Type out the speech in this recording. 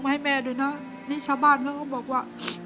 ทำใจไว้หรือยังกับเรื่องนี้พี่พาหมอบอกกับเราว่าอย่างไรบ้างเอาดี